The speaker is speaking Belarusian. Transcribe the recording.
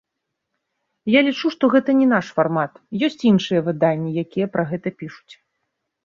Я лічу, што гэта не наш фармат, ёсць іншыя выданні, якія пра гэта пішуць.